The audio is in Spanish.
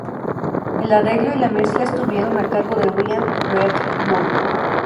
El arreglo y la mezcla estuvieron a cargo de Brian "Red" Moore.